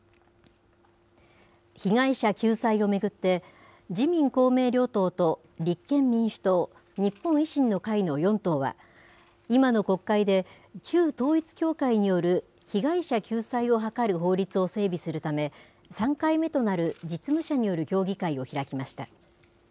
被害者救済を巡って、自民、公明両党と立憲民主党、日本維新の会の４党は、今の国会で旧統一教会による被害者救済を図る法律を整備するため、３回目となる実務者による協議会を開きました。